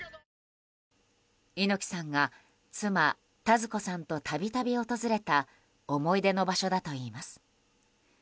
猪木さんが妻・田鶴子さんと度々、訪れた思い出の場所だといいます。